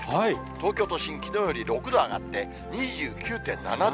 東京都心、きのうより６度上がって２９．７度。